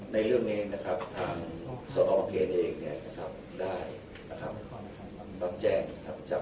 ในเรื่องนี้ทางสวนอมเกณฑ์ได้รับแจงจากภาพประชาชน